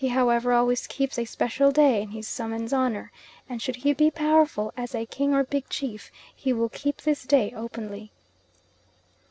He, however, always keeps a special day in his suhman's honour, and should he be powerful, as a king or big chief, he will keep this day openly.